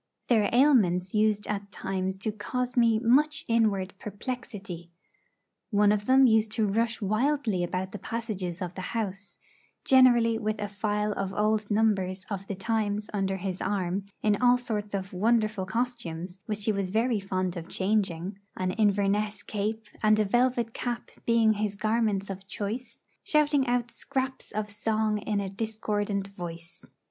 Their ailments used at times to cause me much inward perplexity. One of them used to rush wildly about the passages of the house generally with a file of old numbers of the 'Times' under his arm, in all sorts of wonderful costumes, which he was very fond of changing, an Inverness cape and a velvet cap being his garments of choice shouting out scraps of song in a discordant voice.